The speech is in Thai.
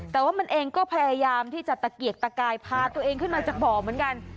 แต่ว่ามันเองก็พยายามที่จะตะเกียกตะกายพาตัวเองขึ้นมาจากบ่อเหมือนกัน